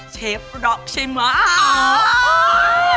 เชฟร็อกใช่ไหม